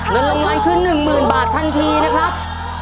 เงินลงมันขึ้น๑หมื่นบาททันทีนะครับ